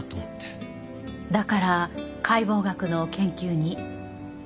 だから解剖学の研究に？